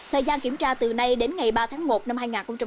thời gian kiểm tra từ nay đến ngày ba tháng một năm hai nghìn hai mươi